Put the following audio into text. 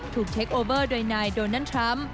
ถูกเทคโอเวอร์โดยนายโดนัททรัมป์